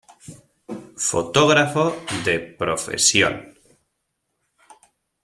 Fotógrafo de profesión.